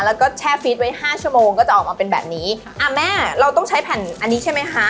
แล้วก็แช่ฟีดไว้ห้าชั่วโมงก็จะออกมาเป็นแบบนี้อ่าแม่เราต้องใช้แผ่นอันนี้ใช่ไหมคะ